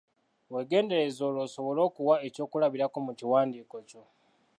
Weegendereze olwo osobole okuwa ekyokulabirako mu kiwandiiko kyo.